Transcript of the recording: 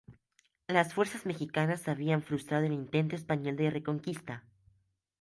Las fuerzas mexicanas habían frustrado el intento español de reconquista.